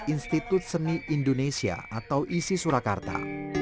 institut seni indonesia atau isi surakarta